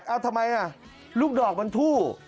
เอาทำไมลูกดอกมันทู่